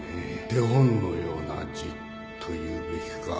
手本のような字というべきか